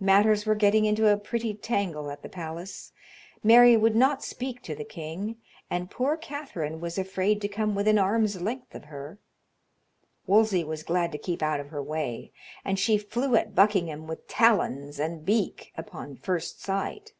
Matters were getting into a pretty tangle at the palace. Mary would not speak to the king, and poor Catherine was afraid to come within arm's length of her; Wolsey was glad to keep out of her way, and she flew at Buckingham with talons and beak upon first sight.